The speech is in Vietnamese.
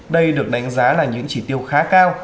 đây được đánh giá là những chỉ tiêu khá cao